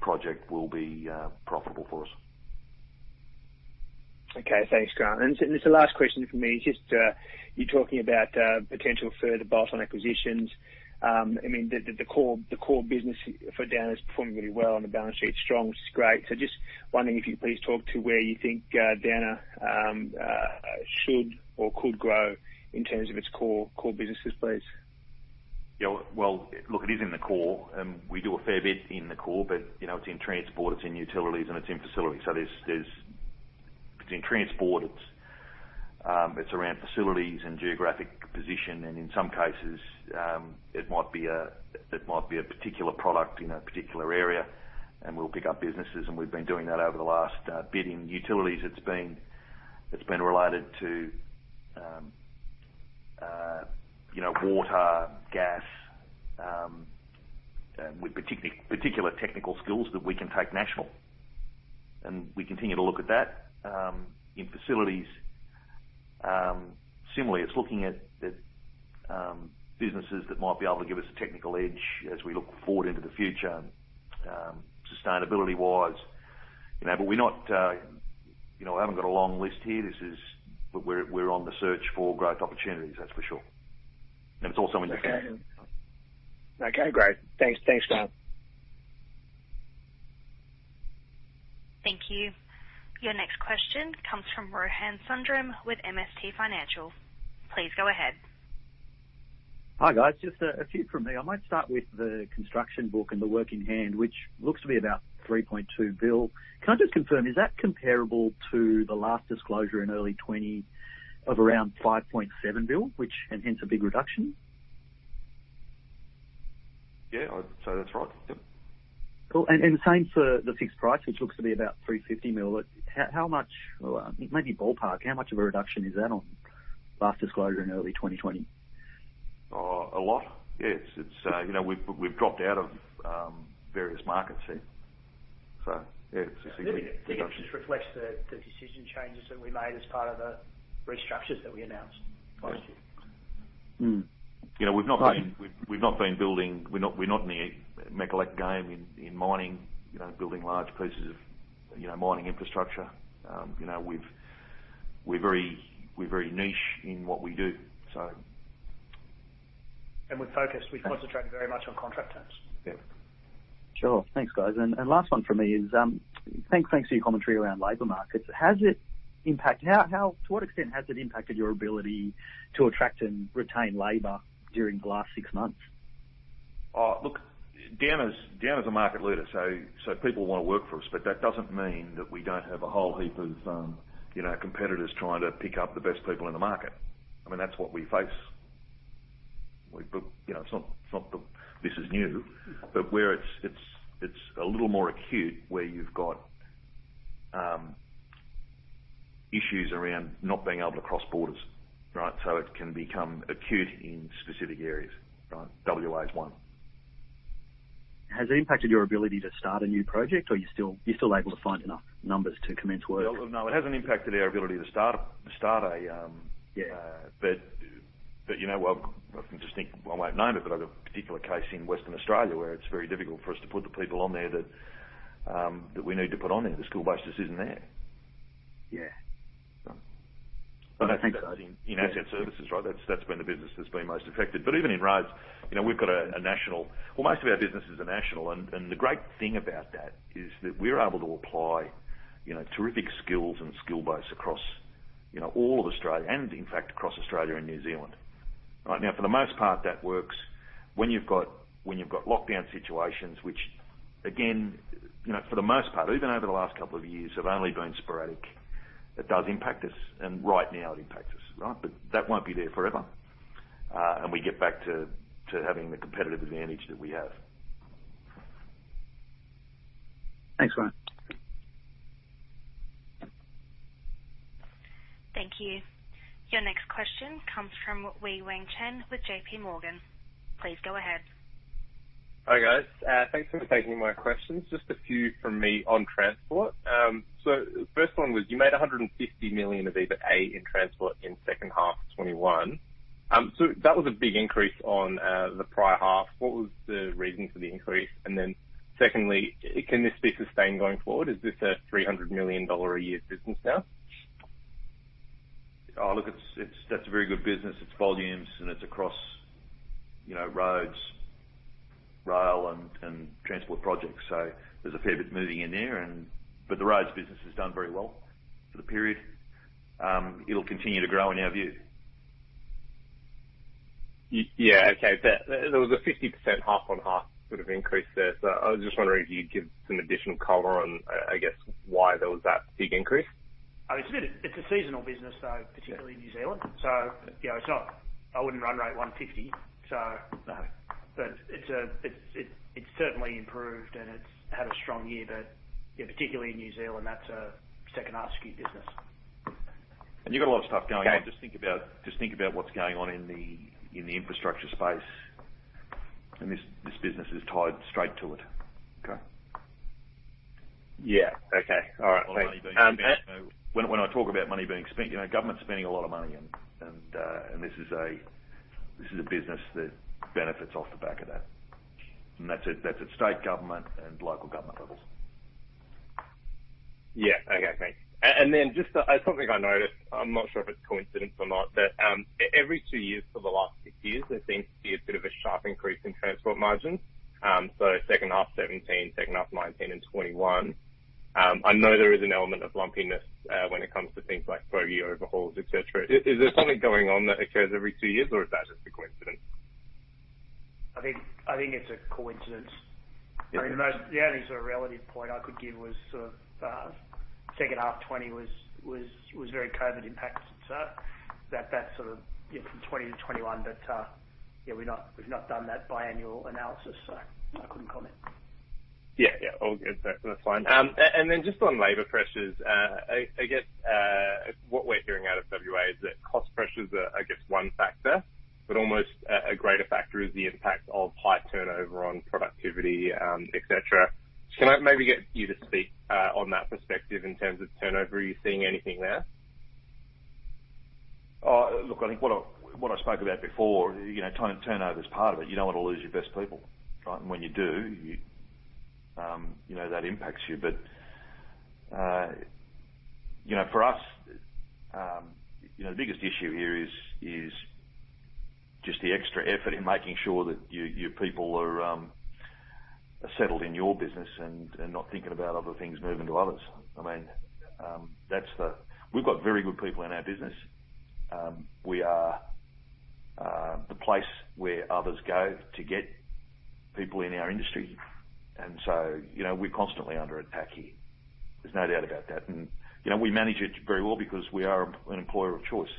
project will be profitable for us. Okay. Thanks, Grant. This is the last question from me. Just you're talking about potential further bolt-on acquisitions. I mean, the core business for Downer is performing really well and the balance sheet's strong, which is great. Just wondering if you could please talk to where you think Downer should or could grow in terms of its core businesses, please. Yeah. Well, look, it is in the core, and we do a fair bit in the core, but it's in transport, it's in utilities, and it's in facilities. It's in transport, it's around facilities and geographic position, and in some cases, it might be a particular product in a particular area, and we'll pick up businesses, and we've been doing that over the last bit. In utilities, it's been related to water, gas, with particular technical skills that we can take national. We continue to look at that. In facilities, similarly, it's looking at businesses that might be able to give us a technical edge as we look forward into the future sustainability wise. I haven't got a long list here. We're on the search for growth opportunities, that's for sure. Okay. Okay, great. Thanks, Grant. Thank you. Your next question comes from Rohan Sundram with MST Financial. Please go ahead. Hi, guys. Just a few from me. I might start with the construction book and the work in hand, which looks to be about 3.2 billion. Can I just confirm, is that comparable to the last disclosure in early 2020 of around 5.7 billion, and hence a big reduction? Yeah, I'd say that's right. Yep. Cool. Same for the fixed price, which looks to be about 350 million. Maybe ballpark, how much of a reduction is that on last disclosure in early 2020? A lot. Yes. We've dropped out of various markets here. Yeah, it's a significant reduction. I think it just reflects the decision changes that we made as part of the restructures that we announced last year. Yeah. We're not in the Mecalac game in mining, building large pieces of mining infrastructure. We're very niche in what we do, so. We're focused. We concentrate very much on contract terms. Yeah. Sure. Thanks, guys. Last one from me is, thanks for your commentary around labor markets. To what extent has it impacted your ability to attract and retain labor during the last six months? Downer's a market leader, people want to work for us, that doesn't mean that we don't have a whole heap of competitors trying to pick up the best people in the market. I mean, that's what we face. It's not that this is new, where it's a little more acute, where you've got issues around not being able to cross borders, right? It can become acute in specific areas, right? WA is one. Has it impacted your ability to start a new project, or you're still able to find enough numbers to commence work? No, it hasn't impacted our ability to start. Yeah I can just think, I won't name it, but I've got a particular case in Western Australia where it's very difficult for us to put the people on there that we need to put on there. The skill basis isn't there. Yeah. I think that in asset services, right. That's been the business that's been most affected. Even in roads, we've got most of our business is a national, and the great thing about that is that we're able to apply terrific skills and skill base across all of Australia, and in fact across Australia and New Zealand. Right now, for the most part, that works. When you've got lockdown situations, which again, for the most part, even over the last couple of years, have only been sporadic, it does impact us, and right now it impacts us, right. That won't be there forever, and we get back to having the competitive advantage that we have. Thanks, Grant. Thank you. Your next question comes from Wei-Weng Chen with JPMorgan. Please go ahead. Hi, guys. Thanks for taking my questions. Just a few from me on transport. The first one was, you made 150 million of EBITA in transport in second half 2021. That was a big increase on the prior half. What was the reason for the increase? Secondly, can this be sustained going forward? Is this a 300 million dollar a year business now? Look, that's a very good business. It's volumes and it's across roads, rail, and transport projects. There's a fair bit moving in there, but the roads business has done very well for the period. It'll continue to grow in our view. Yeah. Okay. There was a 50% half-on-half sort of increase there. I was just wondering if you'd give some additional color on, I guess, why there was that big increase. It's a seasonal business, though, particularly in New Zealand. I wouldn't run rate 150. No. It's certainly improved, and it's had a strong year. Particularly in New Zealand, that's a second-half skew business. You've got a lot of stuff going on. Just think about what's going on in the infrastructure space. This business is tied straight to it. Okay. Yeah. Okay. All right. Thanks. When I talk about money being spent, government's spending a lot of money and this is a business that benefits off the back of that. That's at state government and local government levels. Okay, thanks. Just something I noticed, I'm not sure if it's a coincidence or not, that every two years for the last six years, there seems to be a bit of a sharp increase in transport margins. Second half 2017, second half 2019, and 2021. I know there is an element of lumpiness when it comes to things like bogie overhauls, et cetera. Is there something going on that occurs every two years, or is that just a coincidence? I think it's a coincidence. The only sort of relative point I could give was sort of the second half 2020 was very COVID impacted, so that's sort of from 2020 to 2021. Yeah, we've not done that biannual analysis, so I couldn't comment. Yeah. All good. That's fine. Just on labor pressures, I guess, what we're hearing out of WA is that cost pressures are, I guess, one factor, but almost a greater factor is the impact of high turnover on productivity, et cetera. Can I maybe get you to speak on that perspective in terms of turnover? Are you seeing anything there? Look, I think what I spoke about before, turnover's part of it. You don't want to lose your best people, right? When you do, that impacts you. For us, the biggest issue here is just the extra effort in making sure that your people are settled in your business and not thinking about other things, moving to others. I mean, we've got very good people in our business. We are the place where others go to get people in our industry, we're constantly under attack here. There's no doubt about that. We manage it very well because we are an employer of choice.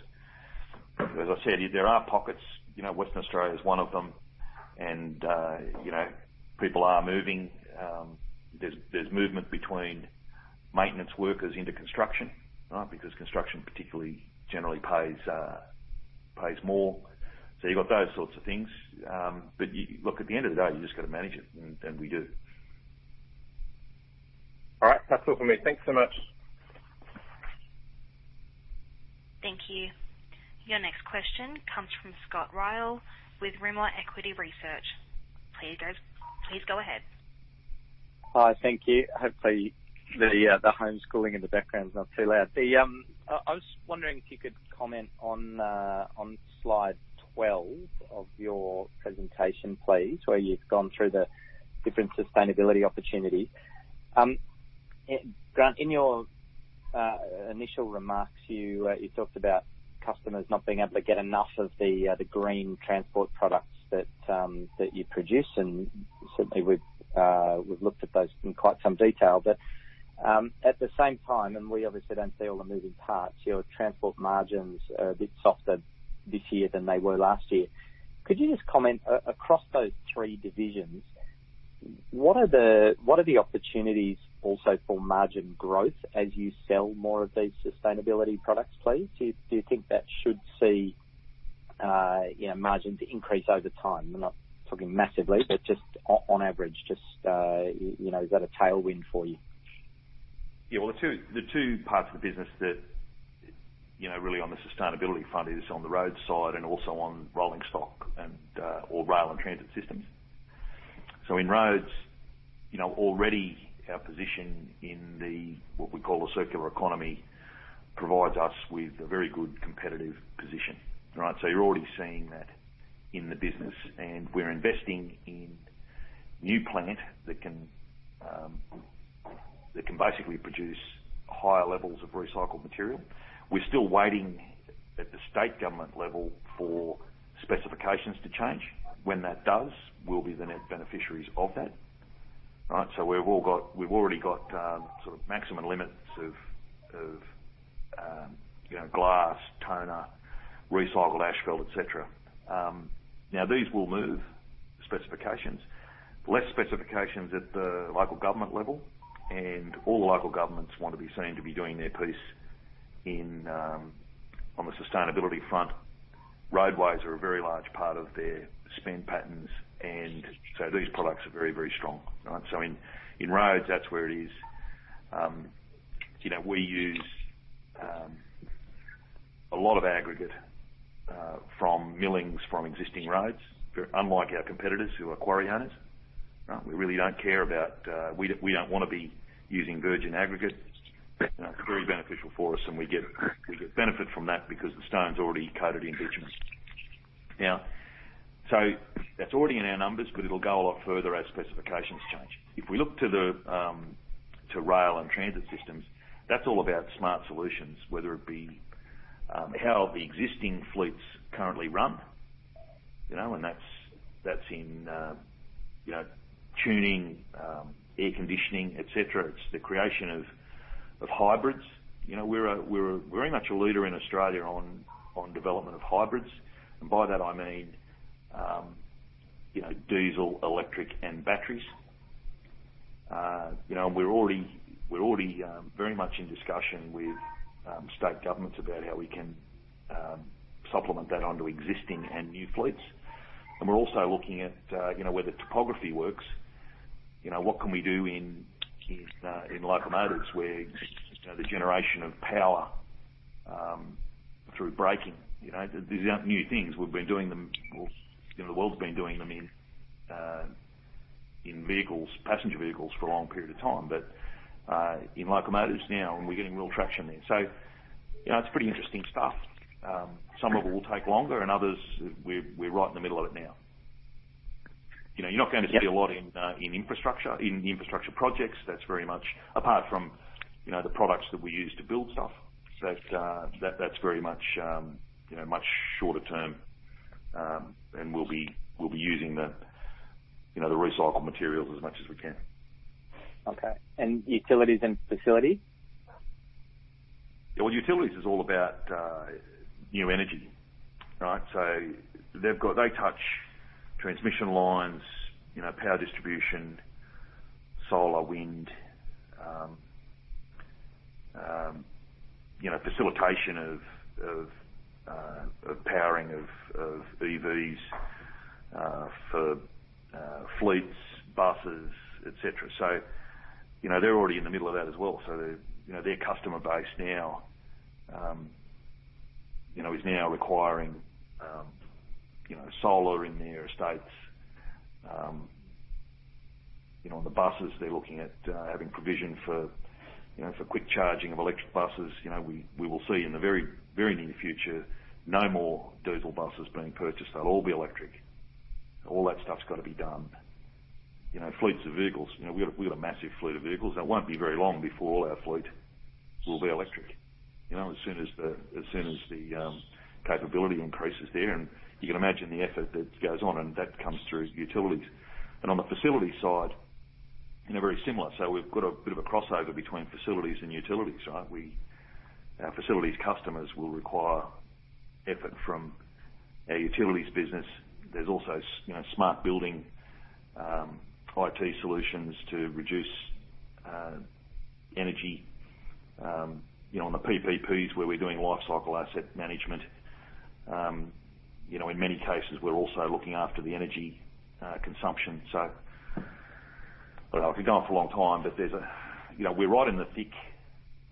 As I said, there are pockets, Western Australia is one of them, people are moving. There's movement between maintenance workers into construction, right? Construction particularly generally pays more. You've got those sorts of things. Look, at the end of the day, you've just got to manage it, and we do. All right. That's all from me. Thanks so much. Thank you. Your next question comes from Scott Ryall with Rimor Equity Research. Please go ahead. Hi. Thank you. Hopefully the homeschooling in the background is not too loud. I was wondering if you could comment on slide 12 of your presentation, please, where you've gone through the different sustainability opportunities. Grant, in your initial remarks, you talked about customers not being able to get enough of the green transport products that you produce, and certainly we've looked at those in quite some detail. At the same time, and we obviously don't see all the moving parts, your transport margins are a bit softer this year than they were last year. Could you just comment across those three divisions, what are the opportunities also for margin growth as you sell more of these sustainability products, please? Do you think that should see margins increase over time? I'm not talking massively, but just on average, is that a tailwind for you? Well, the two parts of the business that really on the roadside and also on Rail and Transit Systems. In roads, already our position in the what we call a circular Reconomy provides us with a very good competitive position, right? You're already seeing that in the business, and we're investing in new plant that can basically produce higher levels of recycled material. We're still waiting at the state government level for specifications to change. When that does, we'll be the net beneficiaries of that. Right? We've already got sort of maximum limits of glass, toner, recycled asphalt, et cetera. Now, these will move specifications. Less specifications at the local government level, all the local governments want to be seen to be doing their piece on the sustainability front. Roadways are a very large part of their spend patterns, these products are very, very strong. In roads, that's where it is. We use a lot of aggregate from millings from existing roads. Unlike our competitors who are quarry owners. We don't want to be using virgin aggregate. It's very beneficial for us, and we get benefit from that because the stone's already coated in bitumen. That's already in our numbers, but it'll go a lot further as specifications change. If we look to Rail and Transit Systems, that's all about smart solutions, whether it be how the existing fleets currently run, and that's in tuning, air conditioning, et cetera. It's the creation of hybrids. We're very much a leader in Australia on development of hybrids, and by that I mean diesel, electric, and batteries. We're already very much in discussion with state governments about how we can supplement that onto existing and new fleets. We're also looking at where the topography works, what can we do in locomotives where the generation of power through braking. These aren't new things. The world's been doing them in passenger vehicles for a long period of time. In locomotives now, and we're getting real traction there. It's pretty interesting stuff. Some of it will take longer and others, we're right in the middle of it now. You're not going to see a lot in infrastructure projects, apart from the products that we use to build stuff. That's very much shorter term and we'll be using the recycled materials as much as we can. Okay. utilities and facilities? Utilities is all about new energy. They touch transmission lines, power distribution, solar, wind, facilitation of powering of EVs for fleets, buses, et cetera. They're already in the middle of that as well. Their customer base now is now requiring solar in their estates. On the buses, they're looking at having provision for quick charging of electric buses. We will see in the very, very near future no more diesel buses being purchased. They'll all be electric. All that stuff's got to be done. Fleets of vehicles. We've got a massive fleet of vehicles. It won't be very long before all our fleet will be electric, as soon as the capability increases there. You can imagine the effort that goes on, and that comes through utilities. On the facility side, they're very similar. We've got a bit of a crossover between facilities and utilities, right? Our facilities customers will require effort from our utilities business. There's also smart building IT solutions to reduce energy. On the PPPs where we're doing lifecycle asset management, in many cases we're also looking after the energy consumption. Look, I could go on for a long time, but we're right in the thick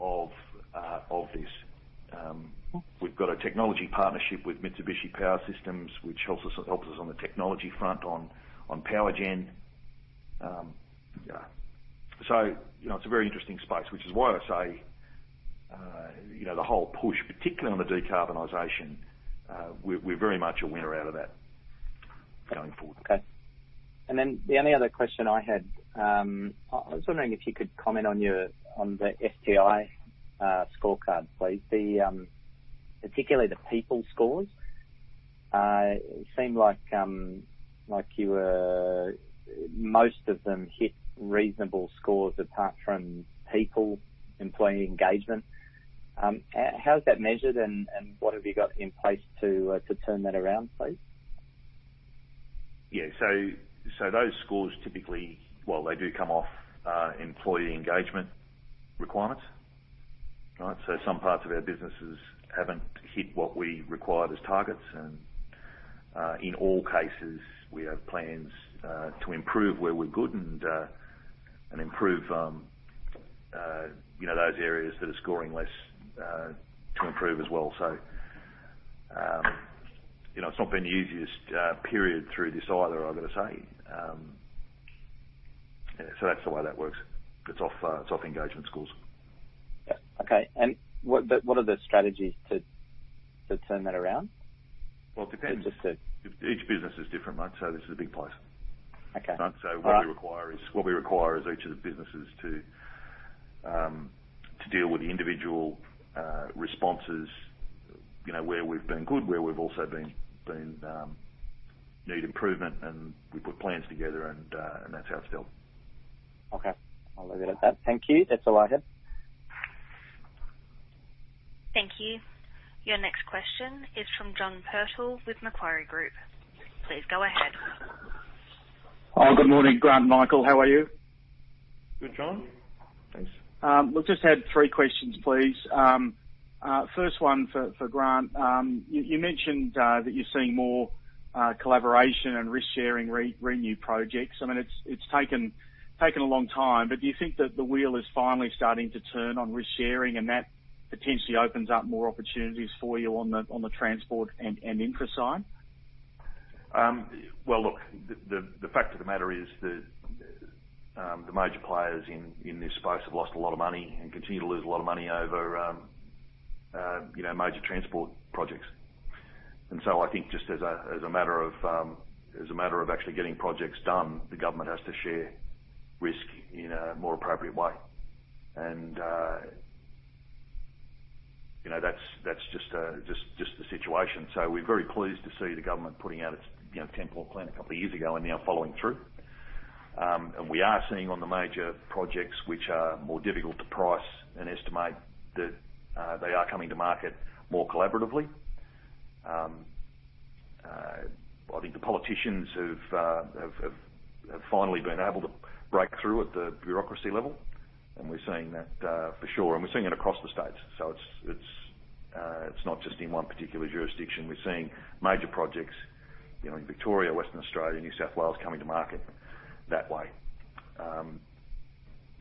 of this. We've got a technology partnership with Mitsubishi Power Systems, which helps us on the technology front on power gen. It's a very interesting space, which is why I say, the whole push, particularly on the decarbonization, we're very much a winner out of that going forward. Okay. Then the only other question I had, I was wondering if you could comment on the STI scorecard, please. Particularly the people scores. It seemed like most of them hit reasonable scores apart from people, employee engagement. How is that measured and what have you got in place to turn that around, please? Yeah. Those scores typically, well, they do come off employee engagement requirements. Some parts of our businesses haven't hit what we required as targets, and in all cases, we have plans to improve where we're good and improve those areas that are scoring less to improve as well. It's not been the easiest period through this either, I've got to say. That's the way that works. It's off engagement scores. Okay. What are the strategies to turn that around? Well, it depends. Just to- Each business is different, mate, so this is a big place. Okay. What we require is each of the businesses to deal with the individual responses where we've been good, where we've also need improvement and we put plans together and that's how it's dealt with. Okay. I'll leave it at that. Thank you. That's all I had. Thank you. Your next question is from John Purtell with Macquarie Group. Please go ahead. Hi, good morning, Grant, Michael. How are you? Good, John. Thanks. We just had three questions, please. First one for Grant. You mentioned that you're seeing more collaboration and risk-sharing new projects. I mean, it's taken a long time, but do you think that the wheel is finally starting to turn on risk sharing and that potentially opens up more opportunities for you on the transport and infra side? Look, the fact of the matter is that the major players in this space have lost a lot of money and continue to lose a lot of money over major transport projects. I think just as a matter of actually getting projects done, the government has to share risk in a more appropriate way. That's just the situation. We're very pleased to see the government putting out its 10-fold plan two years ago and now following through. We are seeing on the major projects, which are more difficult to price and estimate, that they are coming to market more collaboratively. I think the politicians have finally been able to break through at the bureaucracy level, and we're seeing that for sure, and we're seeing it across the states. It's not just in one particular jurisdiction. We're seeing major projects in Victoria, Western Australia, New South Wales, coming to market that way.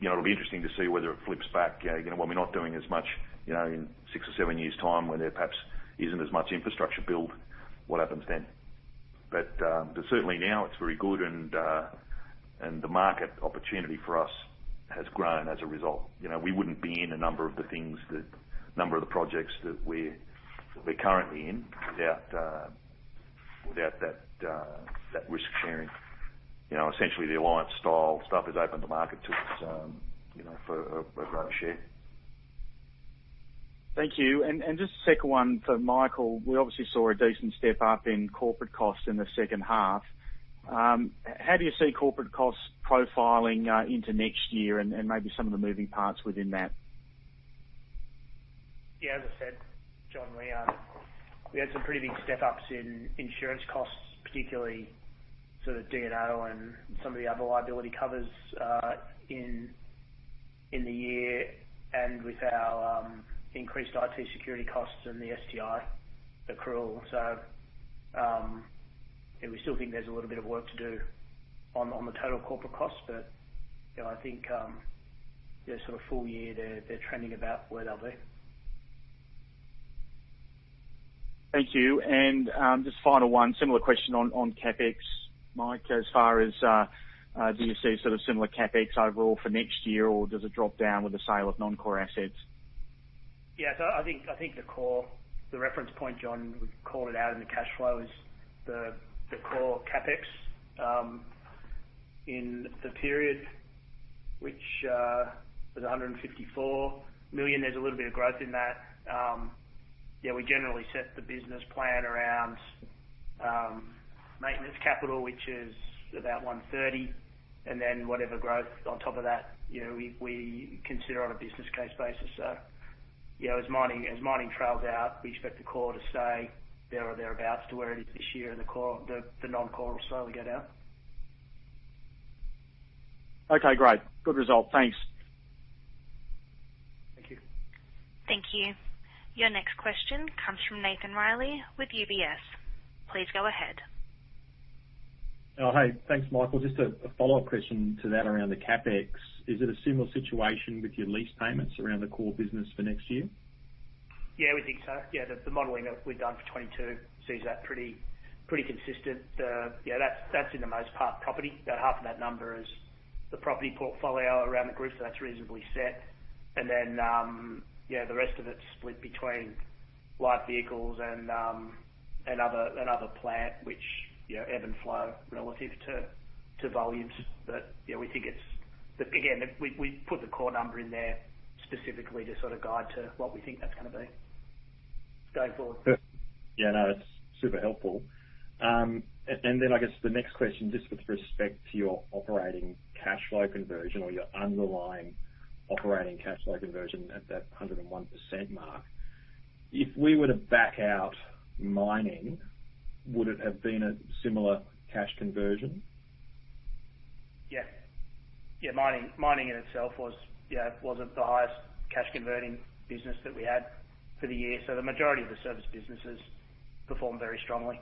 It'll be interesting to see whether it flips back, when we're not doing as much in six or seven years' time, when there perhaps isn't as much infrastructure build, what happens then? Certainly now it's very good and the market opportunity for us has grown as a result. We wouldn't be in a number of the projects that we're currently in without that risk sharing. Essentially the alliance style stuff has opened the market to us for a greater share. Thank you. Just a second one for Michael. We obviously saw a decent step up in corporate costs in the second half. How do you see corporate costs profiling into next year and maybe some of the moving parts within that? As I said, John, we had some pretty big step-ups in insurance costs, particularly sort of D&O and some of the other liability covers in the year and with our increased IT security costs and the STI accrual. We still think there's a little bit of work to do on the total corporate cost, but I think full year, they're trending about where they'll be. Thank you. Just final one, similar question on CapEx, Mike, as far as do you see similar CapEx overall for next year, or does it drop down with the sale of non-core assets? I think the reference point, John, we call it out in the cash flow, is the core CapEx in the period, which was 154 million. There's a little bit of growth in that. We generally set the business plan around maintenance capital, which is about 130 million, and then whatever growth on top of that, we consider on a business case basis. As mining trails out, we expect the core to stay there or thereabout to where it is this year, and the non-core will slowly go down. Okay, great. Good result. Thanks. Thank you. Thank you. Your next question comes from Nathan Reilly with UBS. Please go ahead. Oh, hey. Thanks. Michael, just a follow-up question to that around the CapEx. Is it a similar situation with your lease payments around the core business for next year? Yeah, we think so. Yeah. The modeling that we've done for 2022 sees that pretty consistent. That's in the most part property. About half of that number is the property portfolio around the group, so that's reasonably set, and then the rest of it's split between light vehicles and other plant, which ebb and flow relative to volumes. We think again, we put the core number in there specifically to guide to what we think that's going to be going forward. Yeah. No, that's super helpful. I guess the next question, just with respect to your operating cash flow conversion or your underlying operating cash flow conversion at that 101% mark, if we were to back out mining, would it have been a similar cash conversion? Yeah. Mining in itself wasn't the highest cash converting business that we had for the year. The majority of the service businesses performed very strongly.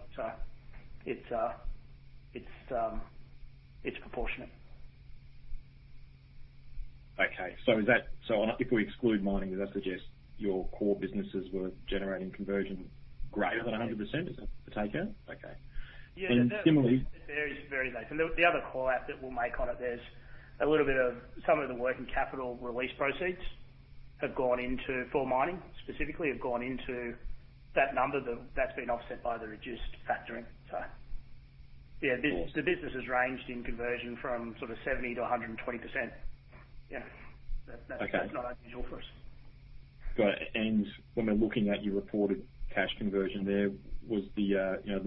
It's proportionate. Okay. If we exclude mining, does that suggest your core businesses were generating conversion greater than 100%? Is that the take out? Okay. It varies, and the other call out that we'll make on it, there's a little bit of some of the working capital release proceeds for mining, specifically, have gone into that number, that's been offset by the reduced factoring. Yeah, the businesses ranged in conversion from 70% to 120%. That's not unusual for us. Got it. When we're looking at your reported cash conversion there, was the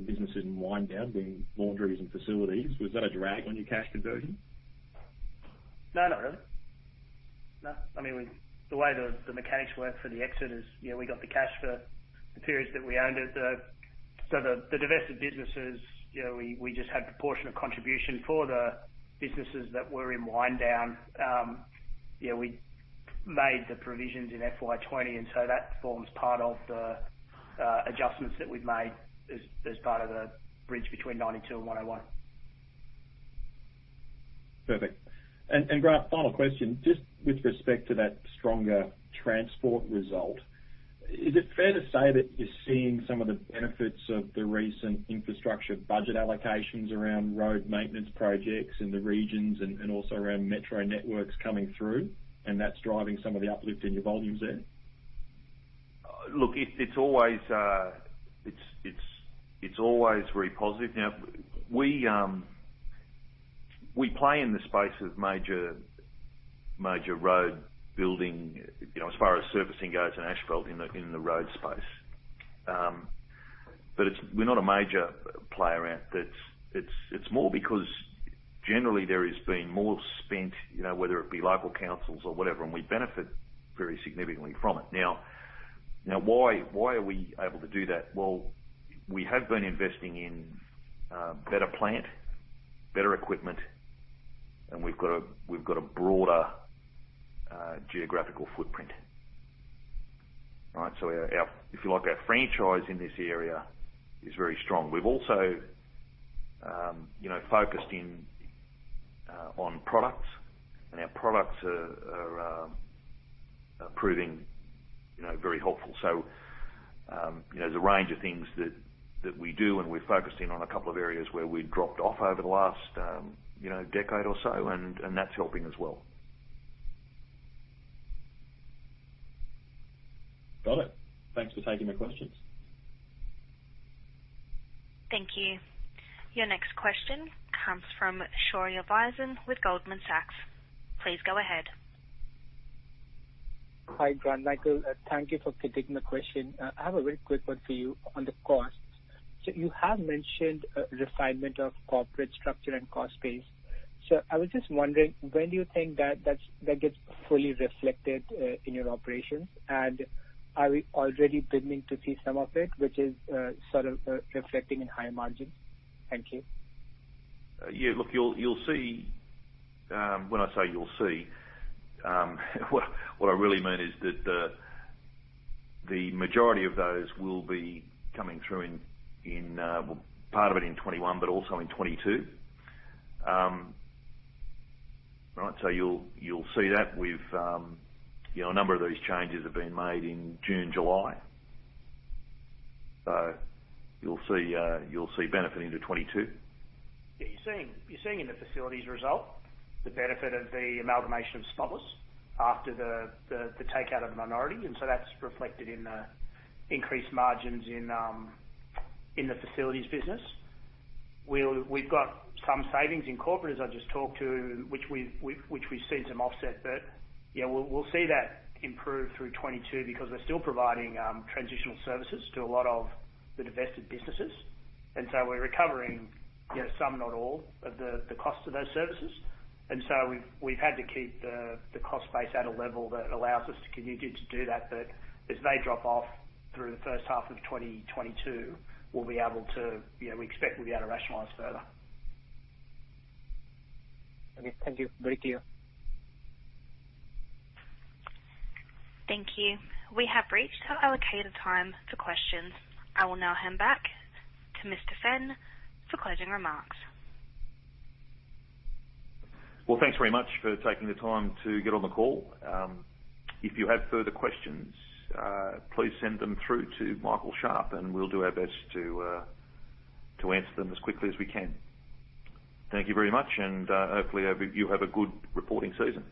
businesses in wind down, being laundries and facilities, was that a drag on your cash conversion? No, not really. No. The way the mechanics work for the exit is we got the cash for the periods that we owned it. The divested businesses, we just had proportionate contribution for the businesses that were in wind down. We made the provisions in FY 2020, that forms part of the adjustments that we've made as part of the bridge between 92 and 101. Perfect. Grant, final question, just with respect to that stronger transport result, is it fair to say that you're seeing some of the benefits of the recent infrastructure budget allocations around road maintenance projects in the regions and also around metro networks coming through, and that's driving some of the uplift in your volumes there? Look, it's always very positive. We play in the space of major road building as far as servicing goes and asphalt in the road space. We're not a major player. It's more because generally there has been more spent, whether it be local councils or whatever, and we benefit very significantly from it. Why are we able to do that? Well, we have been investing in better plant, better equipment, and we've got a broader geographical footprint, right? If you like, our franchise in this area is very strong. We've also focused in on products, and our products are proving very helpful. There's a range of things that we do, and we're focusing on a couple of areas where we dropped off over the last decade or so, and that's helping as well. Got it. Thanks for taking the questions. Thank you. Your next question comes from Shaurya Visen with Goldman Sachs. Please go ahead. Hi, Grant and Michael. Thank you for taking the question. I have a very quick one for you on the costs. You have mentioned a refinement of corporate structure and cost base. I was just wondering, when do you think that gets fully reflected in your operations? Are we already beginning to see some of it, which is sort of reflecting in higher margins? Thank you. Yeah. Look, you'll see. When I say you'll see, what I really mean is that the majority of those will be coming through in, well, part of it in 2021, but also in 2022. Right? You'll see that with a number of these changes have been made in June, July. You'll see benefit into 2022. Yeah, you're seeing in the facilities result the benefit of the amalgamation of Spotless after the takeout of the minority. That's reflected in the increased margins in the facilities business. We've got some savings in corporate, as I just talked to, which we've seen some offset. We'll see that improve through 2022 because they're still providing transitional services to a lot of the divested businesses. We're recovering some, not all, of the cost of those services. We've had to keep the cost base at a level that allows us to continue to do that. As they drop off through the first half of 2022, we expect we'll be able to rationalize further. Okay, thank you. Very clear. Thank you. We have reached our allocated time for questions. I will now hand back to Mr. Fenn for closing remarks. Well, thanks very much for taking the time to get on the call. If you have further questions, please send them through to Michael Sharp, and we'll do our best to answer them as quickly as we can. Thank you very much, and hopefully, you have a good reporting season.